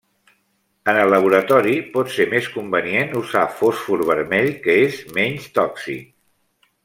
En el laboratori, pot ser més convenient usar fòsfor vermell, que és menys tòxic.